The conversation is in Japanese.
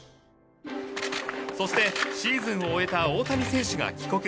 そしてシーズンを終えた大谷選手が帰国。